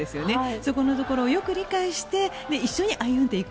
そこのところをよく理解して一緒に歩んでいく。